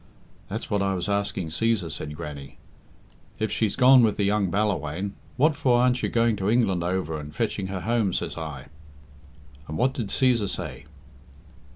"That's what I was asking Cæsar," said Grannie. "If she's gone with the young Ballawhaine, what for aren't you going to England over and fetching her home?" says I. "And what did Cæsar say?"